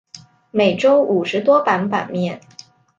每周五十多版版面。